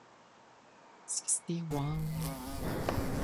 Club colors are blue and white.